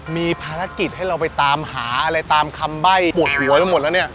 มีภารกิจให้เราไปตามหาอะไรตามคำใบ้ปวดหัวไปหมดแล้วเนี่ย